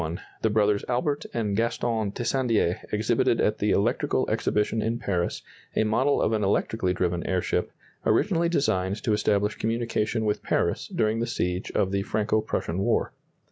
] In 1881, the brothers Albert and Gaston Tissandier exhibited at the Electrical Exhibition in Paris a model of an electrically driven airship, originally designed to establish communication with Paris during the siege of the Franco Prussian War.